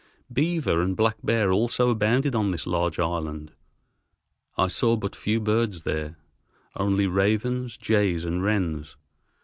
Beaver and black bear also abounded on this large island. I saw but few birds there, only ravens, jays, and wrens.